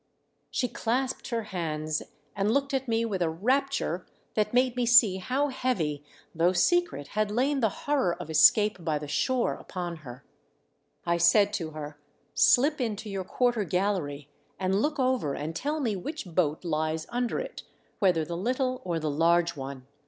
She clasped her hands and looked at me with a rapture that made 478 THE DEATH SHIP. me see how heavy though secret had laui the horror of escape by the shore upon her. I said to her :" SHp into your quarter gallery and look over and tell me which boat lies under it, whether the little or the large one.